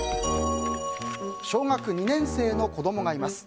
小学２年生の子供がいます。